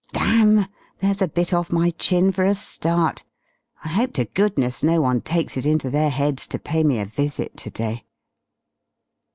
Damn! there's a bit off my chin for a start. I hope to goodness no one takes it into their heads to pay me a visit to day."